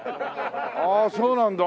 ああそうなんだ。